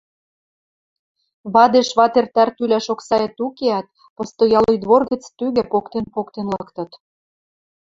Вадеш ватер тӓр тӱлӓш оксаэт укеӓт, постоялый двор гӹц тӱгӹ поктен-поктен лыктыт.